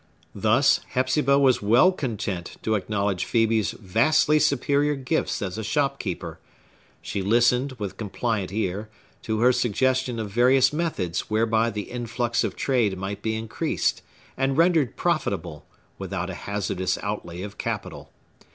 Thus, Hepzibah was well content to acknowledge Phœbe's vastly superior gifts as a shop keeper; she listened, with compliant ear, to her suggestion of various methods whereby the influx of trade might be increased, and rendered profitable, without a hazardous outlay of capital.